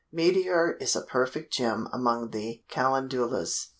"Meteor" is a perfect gem among the Calendulas.